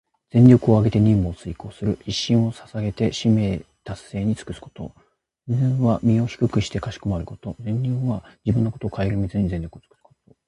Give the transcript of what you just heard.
全力をあげて任務を遂行する、一身を捧げて使命達成に尽くすこと。「鞠躬」は身を低くしてかしこまること。「尽瘁」は自分のことをかえりみずに、全力をつくすこと。